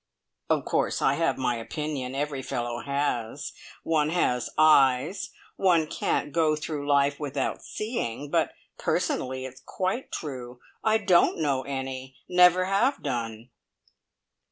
"Of course I have my opinion every fellow has. One has eyes. One can't go through life without seeing. But, personally, it's quite true. I don't know any. Never have done!"